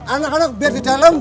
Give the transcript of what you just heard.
anak anak biar di dalam